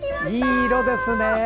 いい色ですね。